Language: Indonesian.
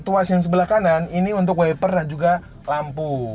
situasi yang sebelah kanan ini untuk waper dan juga lampu